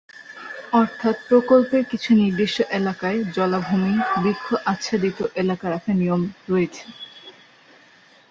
অর্থাৎ প্রকল্পের কিছু নির্দিষ্ট এলাকায় জলাভূমি, বৃক্ষ আচ্ছাদিত এলাকা রাখার নিয়ম রয়েছে।